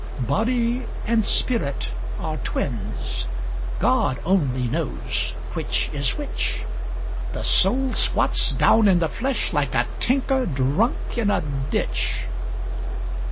Body and spirit are twins: God only knows which is which: The soul squats down in the flesh, like a tinker drunk in a ditch.